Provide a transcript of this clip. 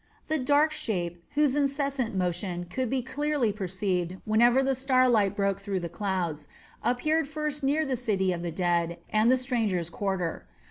The dark shape, whose incessant motion could be clearly perceived whenever the starlight broke through the clouds, appeared first near the city of the dead and the strangers' quarter.